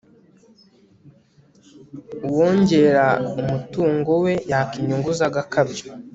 uwongera umutungo we yaka inyungu z'agakabyo